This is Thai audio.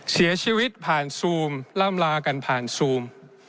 เสียชีวิตผ่านซูมล่ำลากันผ่านซูม